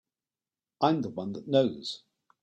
I'm the one that knows.